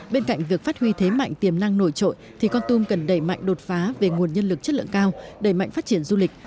bên cạnh việc phát huy thế mạnh tiềm năng nổi trội thì con tum cần đẩy mạnh đột phá về nguồn nhân lực chất lượng cao đẩy mạnh phát triển du lịch